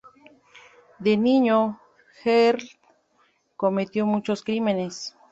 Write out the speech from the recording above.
De niño, Earl cometió muchos crímenes.